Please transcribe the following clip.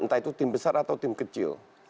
entah itu tim besar atau tim kecil